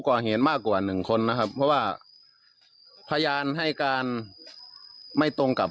ก่อเหตุมากกว่าหนึ่งคนนะครับเพราะว่าพยานให้การไม่ตรงกับ